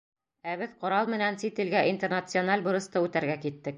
Ә беҙ ҡорал менән сит илгә интернациональ бурысты үтәргә киттек.